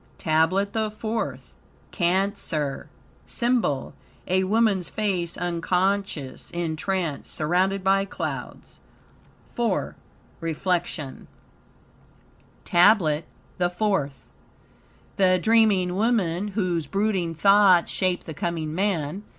TABLET THE FOURTH Cancer SYMBOL A woman's face unconscious, in trance, surrounded by clouds. IV REFLECTION TABLET THE FOURTH The dreaming woman, whose brooding thoughts shape the coming man.